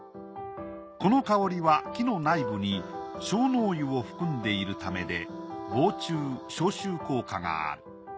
この香りは木の内部に樟脳油を含んでいるためで防虫消臭効果がある。